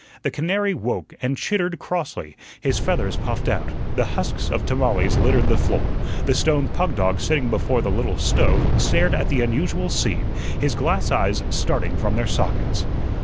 The canary woke and chittered crossly, his feathers puffed out; the husks of tamales littered the floor; the stone pug dog sitting before the little stove stared at the unusual scene, his glass eyes starting from their sockets.